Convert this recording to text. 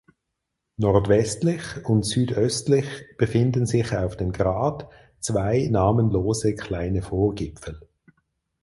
Nordwestlich und südöstlich befinden sich auf dem Grat zwei namenlose kleine Vorgipfel.